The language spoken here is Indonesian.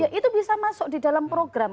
ya itu bisa masuk di dalam program